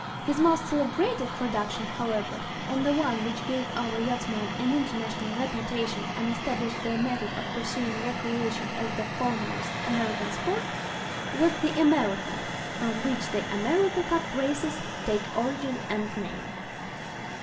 His most celebrated production, however, and the one which gave our yachtsmen an international reputation and established their method of pursuing recreation as the foremost American sport, was the America, from which the "America Cup" races take origin and name.